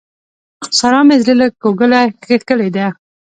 سارا مې زړه له کوګله کښلی دی.